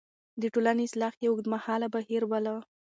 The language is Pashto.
د ټولنې اصلاح يې اوږدمهاله بهير باله.